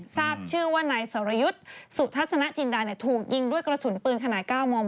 ทราบชื่อว่านายสรยุทธ์สุทัศนจินดาถูกยิงด้วยกระสุนปืนขนาด๙มม